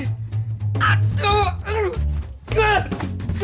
gue tukang becak nih